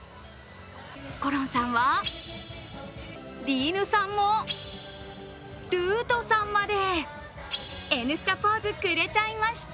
ころんさんは莉犬さんもるぅとさんまで「Ｎスタ」ポーズくれちゃいました。